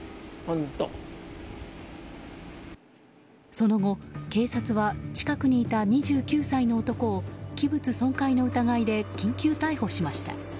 その後、警察は近くにいた２９歳の男を器物損壊の疑いで緊急逮捕しました。